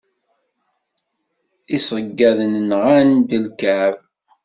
Iseyyaḍen nɣan-d ikεeb.